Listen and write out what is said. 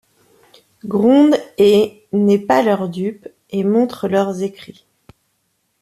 Gronde et. n'est pas leur dupe, et montre leurs écrits